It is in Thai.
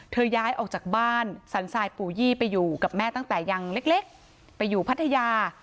ย้ายออกจากบ้านสันทรายปู่ยี่ไปอยู่กับแม่ตั้งแต่ยังเล็กไปอยู่พัทยา